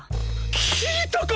聞いたか？